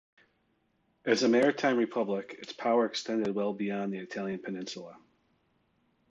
As a Maritime Republic, its power extended well beyond the Italian peninsula.